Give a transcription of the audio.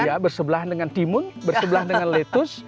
iya bersebelahan dengan timun bersebelahan dengan letus